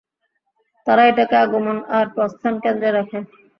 তারা এটাকে আগমন আর প্রস্থান কেন্দ্রে রাখে।